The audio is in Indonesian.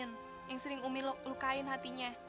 yang sering umi lukain hatinya